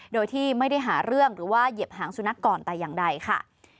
โดยที่ไม่ได้หาเรื่องหรือว่าเหยียบหางสุนัขก่อนแต่อย่างใดค่ะ